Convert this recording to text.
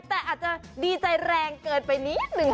แต่อาจจะดีใจแรงเกินไปนิดนึง